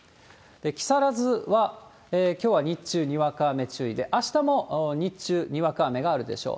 木更津はきょうは日中、にわか雨注意で、あしたも日中、にわか雨があるでしょう。